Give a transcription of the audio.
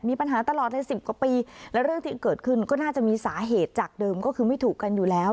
มีปัญหาตลอดเลยสิบกว่าปีแล้วเรื่องที่เกิดขึ้นก็น่าจะมีสาเหตุจากเดิมก็คือไม่ถูกกันอยู่แล้ว